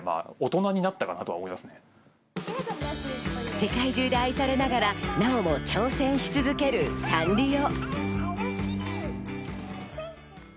世界中で愛されながら、なおも挑戦し続けるサンリオ。